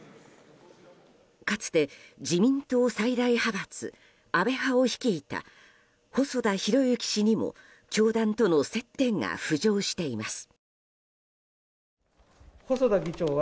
かつて自民党最大派閥安倍派を率いた細田博之氏にも教団との接点が浮上しています。